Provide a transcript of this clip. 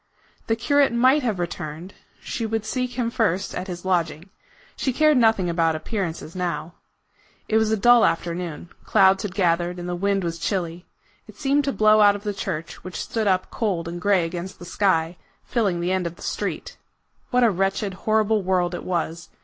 The curate might have returned: she would seek him first at his lodging. She cared nothing about appearances now. It was a dull afternoon. Clouds had gathered, and the wind was chilly. It seemed to blow out of the church, which stood up cold and gray against the sky, filling the end of the street. What a wretched, horrible world it was!